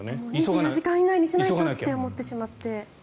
２４時間以内にしないとと思ってしまって。